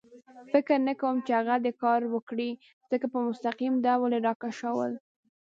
فکر نه کوم چې هغه دې کار وکړي، ځکه په مستقیم ډول را کشول.